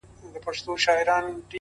پرمختګ د عمل دوام غواړي’